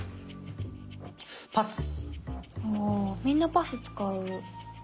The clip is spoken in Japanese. おみんなパス使う。